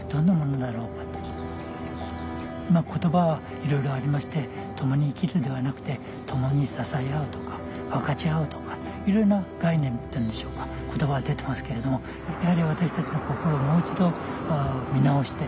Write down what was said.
まあ言葉はいろいろありましてともに生きるではなくてともに支え合うとか分かち合うとかいろいろな概念というんでしょうか言葉が出てますけれども高崎明です。